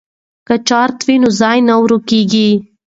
که چارت وي نو ځای نه ورکیږي.